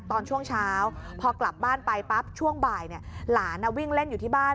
ตอนช่วงเช้าพอกลับบ้านไปปั๊บช่วงบ่ายหลานวิ่งเล่นอยู่ที่บ้าน